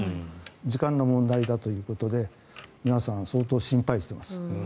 時間の問題だということで皆さん、相当心配しています。